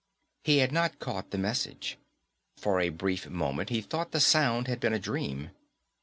He had not caught the message. For a brief moment he thought the sound had been a dream.